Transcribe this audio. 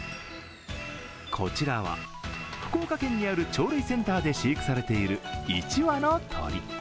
こちらは福岡県にある鳥類センターで飼育されている１羽の鳥。